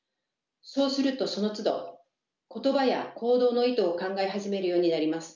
そうするとそのつど言葉や行動の意図を考え始めるようになります。